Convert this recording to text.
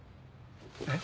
えっ？